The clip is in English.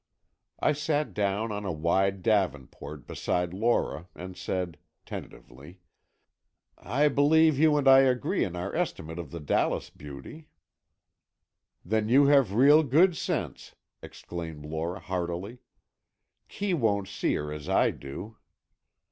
I sat down on a wide davenport beside Lora, and said, tentatively: "I believe you and I agree in our estimate of the Dallas beauty." "Then you have real good sense," exclaimed Lora, heartily. "Kee won't see her as I do."